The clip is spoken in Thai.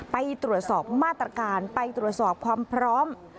ไปตรวจสอบมาตรการไปตรวจสอบความพร้อม